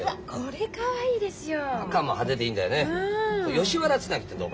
吉原つなぎってどう？